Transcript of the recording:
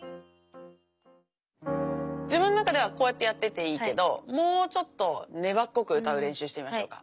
自分の中ではこうやってやってていいけどもうちょっと粘っこく歌う練習してみましょうか。